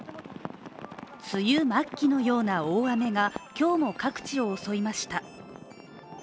梅雨末期のような大雨が今日も各地を襲いました。